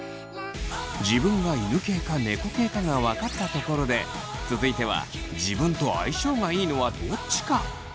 自分が犬系か猫系かが分かったところで続いては自分と相性がいいのはどっちか？